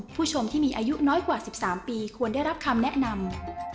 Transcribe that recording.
ผู้ชมที่มีอายุน้อยกว่า๑๓ปีควรได้รับคำแนะนำ